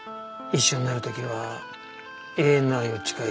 一緒になる時は永遠の愛を誓い合う。